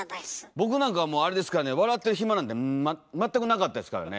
僕なんかはもう笑ってる暇なんて全くなかったですからね。